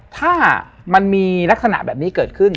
ถ้ามันมีลักษณะแบบนี้เกิดขึ้น